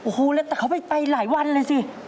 โอ้โฮแต่เขาไปไปหลายวันเลยสิ